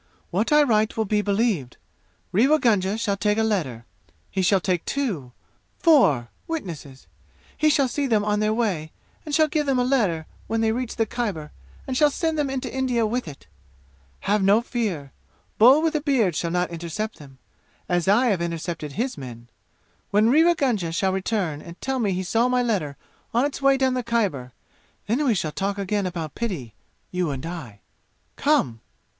What I write will be believed. Rewa Gunga shall take a letter. He shall take two four witnesses. He shall see them on their way and shall give them the letter when they reach the Khyber and shall send them into India with it. Have no fear. Bull with a beard shall not intercept them, as I have intercepted his men. When Rewa Gunga shall return and tell me he saw my letter on its way down the Khyber, then we shall talk again about pity you and I! Come!"